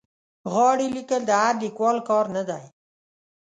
غاړې لیکل د هر لیکوال کار نه دی.